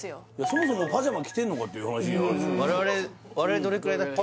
そもそもパジャマ着てんのかっていう話じゃ我々どれくらいだっけ？